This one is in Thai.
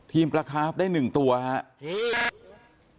ทีมประคับได้๑ตัวครับ